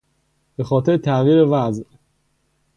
به خاطر تغییر وضع